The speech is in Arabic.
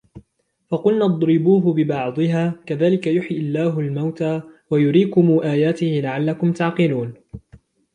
فقلنا اضربوه ببعضها كذلك يحيي الله الموتى ويريكم آياته لعلكم تعقلون